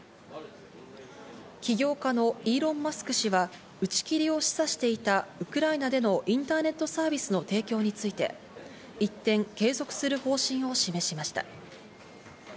起業家のイーロン・マスク氏は、打ち切りを示唆していたウクライナでのインターネットサービスの提供について、一転、継続する方針を示しました。